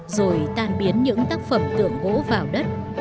rồi tan biến những tác phẩm tượng gỗ vào đất